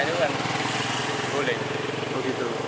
itu kan boleh